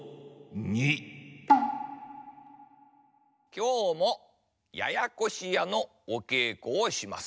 きょうも「ややこしや」のおけいこをします。